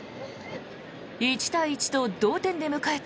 １対１と同点で迎えた